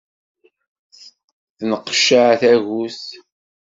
Tenqeccaɛ tagut.